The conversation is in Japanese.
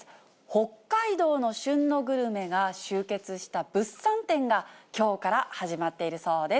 北海道の旬のグルメが集結した物産展が、きょうから始まっているそうです。